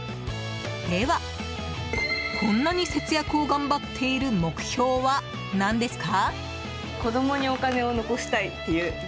では、こんなに節約を頑張っている目標は何ですか？